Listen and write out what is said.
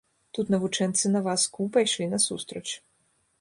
Тут навучэнцы на вазку пайшлі насустрач.